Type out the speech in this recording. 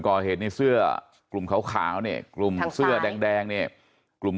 ก่อเหตุในเสื้อกลุ่มขาวเนี่ยกลุ่มเสื้อแดงเนี่ยกลุ่ม